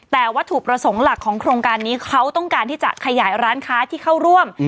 แต่วัตถุประสงค์หลักของโครงการนี้เขาต้องการที่จะขยายร้านค้าที่เข้าร่วม